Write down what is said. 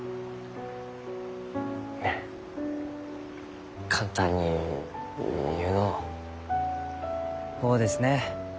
あ簡単に言うのう。ほうですね。